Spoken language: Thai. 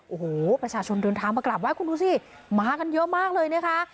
โอ้โหประชาชนเดินทางมากราบไห้คุณดูสิมากันเยอะมากเลยนะคะ